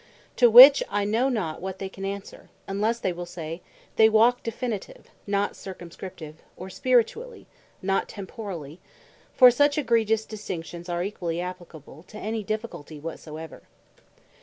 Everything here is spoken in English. To which I know not what they can answer, unlesse they will say, they walke Definitive, not Circumscriptive, or Spiritually, not Temporally: for such egregious distinctions are equally applicable to any difficulty whatsoever.